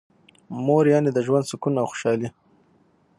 مور یعنی د ژوند سکون او خوشحالي.